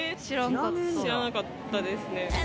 知らなかったですね。